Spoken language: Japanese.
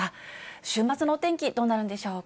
週末のお天気どうなるんでしょうか。